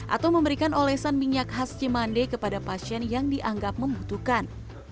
atau memberikan olesan minyak khas cimande kepada pasien yang dianggap membutuhkan